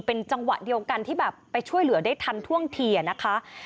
เป็นจังหวะเดียวกันที่แบบไปช่วยเหลือได้ทันท่วงทีนะคะ